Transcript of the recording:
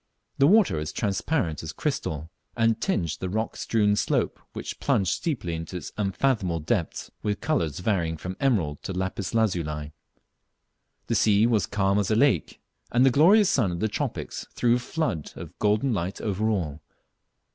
The water was transparent as crystal, and tinged the rock strewn slope which plunged steeply into its unfathomable depths with colours varying from emerald to lapis lazuli. The sea was calm as a lake, and the glorious sun of the tropics threw a flood of golden light over all.